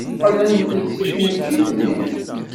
Qqlent-d seg tneččit-nni.